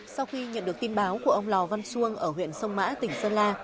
sau khi nhận được tin báo của ông lò văn xuông ở huyện sông mã tỉnh sơn la